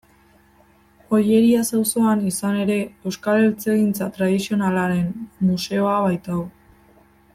Ollerias auzoan, izan ere, Euskal Eltzegintza Tradizionalaren Museoa baitago.